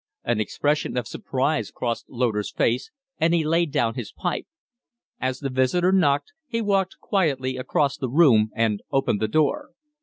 An expression of surprise crossed Loder's face, and he laid down his pipe. As the visitor knocked, he walked quietly across the room and opened the door.